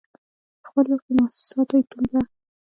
د خپل روح پر محسوساتو یې ټومبه